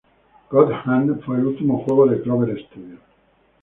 God Hand fue el último juego de Clover Studios.